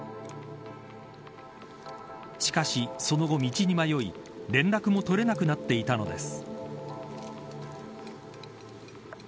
しかしその後、道に迷い連絡も取れなくなっていたのです。